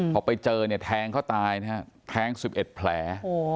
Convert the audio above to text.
พอไปเจอแทงเขาตายแทงสุดเอ็ดแผล